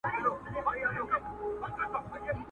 مار پر ږغ کړل ویل اې خواره دهقانه!.